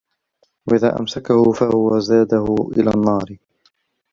وَإِنْ أَمْسَكَهُ فَهُوَ زَادُهُ إلَى النَّارِ